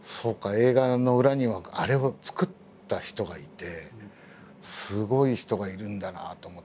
映画の裏にはあれを作った人がいてすごい人がいるんだなと思って。